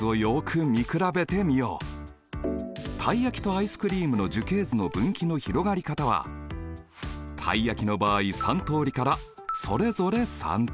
たい焼きとアイスクリームの樹形図の分岐の広がり方はたい焼きの場合３通りからそれぞれ３通り。